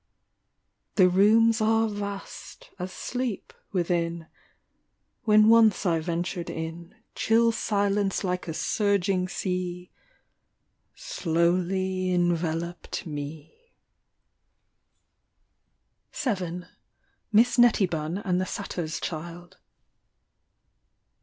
The rooms are vast as sleep within ; When once I ventured in, Chill Silence like a surging sea Slowly enveloped me. 88 EDITH SIT WELL. VII. MISS NETTYBUN AND THE SATYRS CHILD.